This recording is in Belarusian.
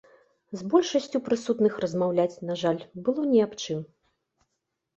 З большасцю прысутных, размаўляць, на жаль, было ні аб чым.